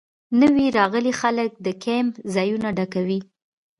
نوي راغلي خلک د کیمپ ځایونه ډکوي